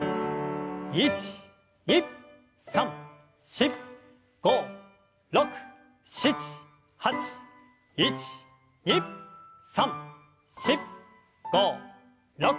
１２３４５６７８１２３４５６。